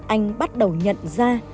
anh bắt đầu nhận ra